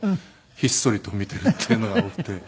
ひっそりと見ているっていうのが多くて。